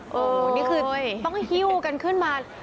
โอ้โหนี่คือต้องหิ้วกันขึ้นมา